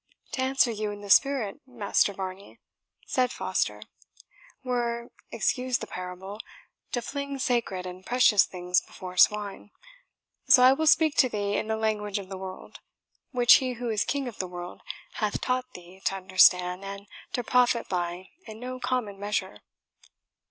"To answer you in the spirit, Master Varney," said Foster, "were excuse the parable to fling sacred and precious things before swine. So I will speak to thee in the language of the world, which he who is king of the world, hath taught thee, to understand, and to profit by in no common measure."